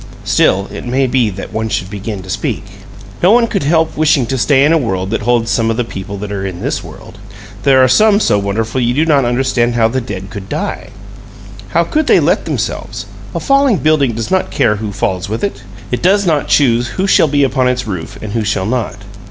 Still, it may be that one should begin to speak. No one could help wishing to stay in a world that holds some of the people that are in this world. There are some so wonderful you do not understand how the dead COULD die. How could they let themselves? A falling building does not care who falls with it. It does not choose who shall be upon its roof and who shall not.